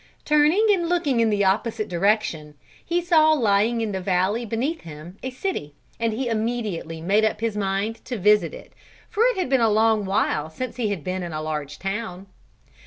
Turning and looking in the opposite direction he saw lying in the valley beneath him a city, and he immediately made up his mind to visit it for it had been a long while since he had been in a large town.